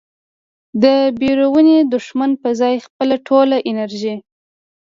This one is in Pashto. د بیروني دښمن په ځای خپله ټوله انرژي